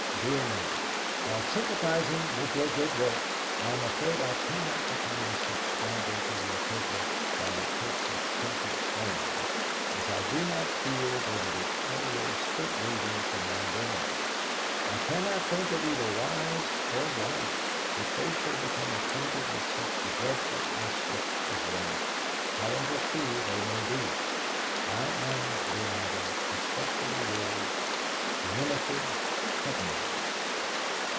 "'DEAR MADAM, "'While sympathising with your good work, I am afraid I cannot become a subscriber to your paper while it takes its present form, as I do not feel that it is always fit reading for my girls. I cannot think it either wise or right that they should become acquainted with such dreadful aspects of life, however true they may be. "'I am, dear madam, "'Respectfully yours, "'WINIFRED TUDDENHAM.